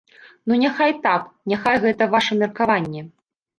Ну, няхай так, няхай гэта ваша меркаванне.